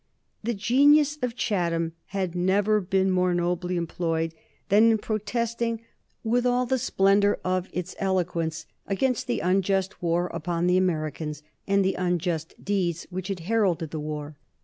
The genius of Chatham had never been more nobly employed than in protesting with all the splendor of its eloquence against the unjust war upon the Americans and the unjust deeds which had heralded the war.